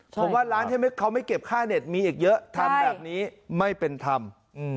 ผมว่าร้านที่เขาไม่เก็บค่าเน็ตมีอีกเยอะทำแบบนี้ไม่เป็นธรรม